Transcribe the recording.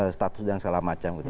status dan segala macam gitu